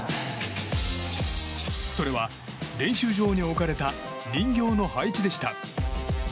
それは、練習場に置かれた人形の配置でした。